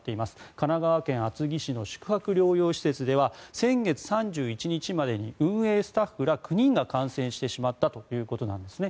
神奈川県厚木市の宿泊療養施設では先月３１日までに運営スタッフら９人が感染してしまったということなんですね。